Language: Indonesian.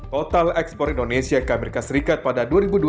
total ekspor indonesia ke amerika serikat pada dua ribu dua puluh